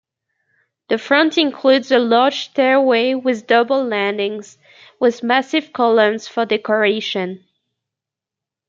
The front includes a large stairway with double landings, with massive columns for decoration.